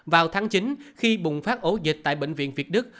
vào tháng chín khi bùng phát ổ dịch tại bệnh viện việt đức